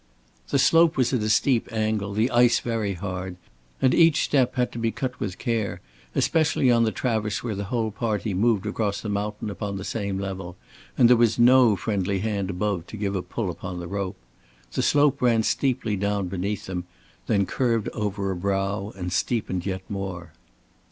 The slope was at a steep angle, the ice very hard, and each step had to be cut with care, especially on the traverse where the whole party moved across the mountain upon the same level, and there was no friendly hand above to give a pull upon the rope. The slope ran steeply down beneath them, then curved over a brow and steepened yet more.